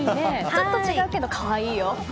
ちょっと違うけど可愛いよ！